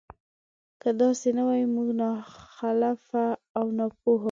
که داسې نه وي موږ ناخلفه او ناپوهه وو.